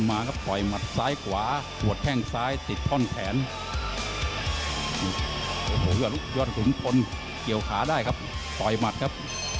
สายอันตรายเลยนะครับแข้งซ้ายหน้าของทางด้านยอดขุมคลับ